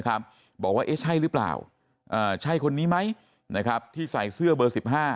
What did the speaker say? บอกว่าเอ๊ะใช่หรือเปล่าใช่คนนี้ไหมที่ใส่เสื้อเบอร์๑๕